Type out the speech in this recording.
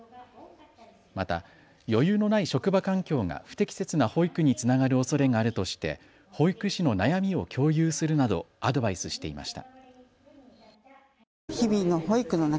また、余裕のない職場環境が不適切な保育につながるおそれがあるとして保育士の悩みを共有するなどアドバイスしていました。